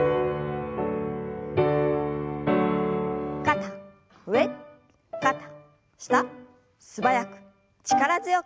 肩上肩下素早く力強く。